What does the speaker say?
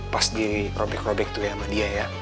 pas dirobek robek tuh ya sama dia ya